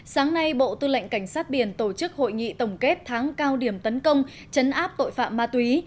sáng nay bộ tư lệnh cảnh sát biển tổ chức hội nghị tổng kết tháng cao điểm tấn công chấn áp tội phạm ma túy